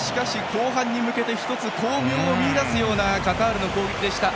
後半に向けて１つ光明を見いだすようなカタールの攻撃でした。